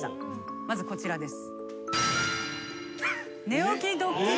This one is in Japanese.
まずこちらです。